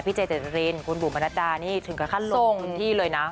พี่เจเจฟรินคุณบุ๋มมานาตาถึงกระคาดลงที่เลยนะ